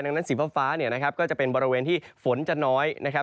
ดังนั้นสีฟ้าเนี่ยนะครับก็จะเป็นบริเวณที่ฝนจะน้อยนะครับ